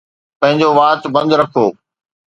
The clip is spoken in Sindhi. پنهنجو وات بند رکو